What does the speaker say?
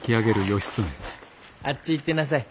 あっち行ってなさい。